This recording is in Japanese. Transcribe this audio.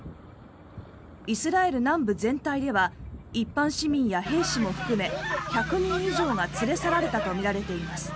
イスラエル南部全体では一般市民や兵士も含め１００人以上が連れ去られたとみられています。